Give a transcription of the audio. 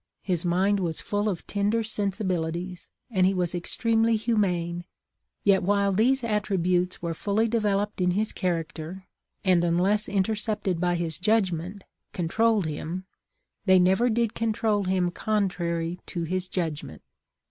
His mind was full of tender sensibilities, and he was extreme ly humane, yet while these attributes were fully developed in his character, and, unless intercepted by his judgment, controlled him, they never did control him contrary to his judgment.